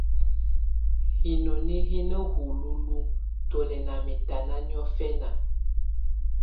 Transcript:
Hinoni hɛ̀ na hululuǝ́ tù lɛ̀ nà mɛ̀tana niɔfɛna.